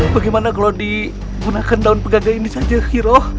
bagaimana kalau digunakan daun pegagan ini saja nyiro